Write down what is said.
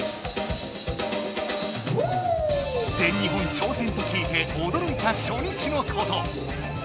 全日本ちょうせんと聞いておどろいたしょ日のこと。